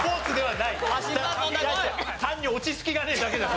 単に落ち着きがねえだけだ